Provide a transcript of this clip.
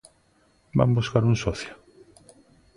¿Van buscar un socio?